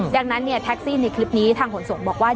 ดังนั้นเนี่ยแท็กซี่ในคลิปนี้ทางขนส่งบอกว่า